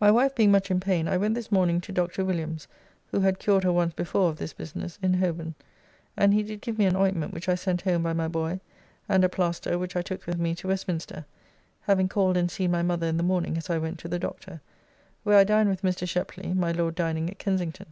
My wife being much in pain, I went this morning to Dr. Williams (who had cured her once before of this business), in Holborn, and he did give me an ointment which I sent home by my boy, and a plaister which I took with me to Westminster (having called and seen my mother in the morning as I went to the doctor), where I dined with Mr. Sheply (my Lord dining at Kensington).